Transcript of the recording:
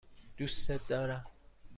دوستت دارم.